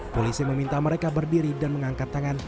polisi meminta mereka berdiri dan mengangkat tangan